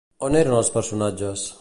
On eren els personatges?